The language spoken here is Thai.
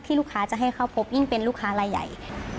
ลูกค้าจะให้เข้าพบยิ่งเป็นลูกค้ารายใหญ่